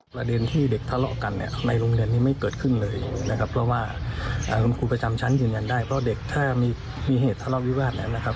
ประเด็นที่เด็กทะเลาะกันเนี่ยในโรงเรียนนี้ไม่เกิดขึ้นเลยนะครับเพราะว่าคุณครูประจำชั้นยืนยันได้เพราะเด็กถ้ามีเหตุทะเลาวิวาสแล้วนะครับ